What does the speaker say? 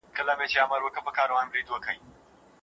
موږ د شعر په ژبنۍ او هنري برخه بحث کوو.